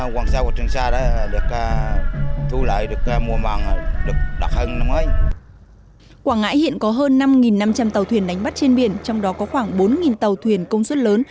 quảng ngãi hiện có hơn năm năm trăm linh tàu thuyền đánh bắt trên biển trong đó có khoảng bốn tàu thuyền công suất lớn